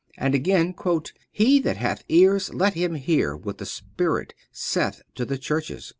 And again: "He that hath ears, let him hear what the Spirit saith to the Churches."